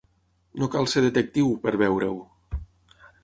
No cal ser detectiu, per veure-ho.